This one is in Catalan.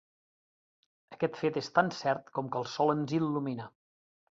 Aquest fet és tan cert com que el sol ens il·lumina.